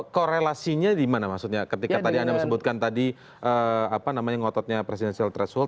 korelasinya dimana maksudnya ketika tadi anda menyebutkan tadi apa namanya ngototnya presidential threshold